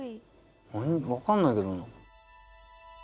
分かんないけど。